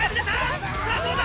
さぁどうだ？